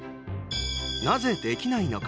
なぜできないのか？